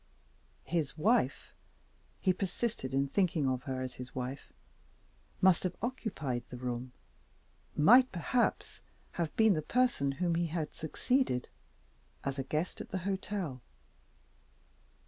His wife (he persisted in thinking of her as his wife) must have occupied the room might perhaps have been the person whom he had succeeded, as a guest at the hotel.